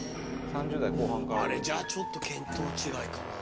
じゃあちょっと見当違いかなぁ。